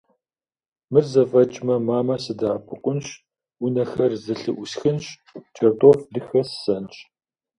Мыр зэфӏэкӏмэ, мамэ сыдэӏэпыкъунщ, унэхэр зэлъыӏусхынщ, кӏэртӏоф дыхэссэнщ.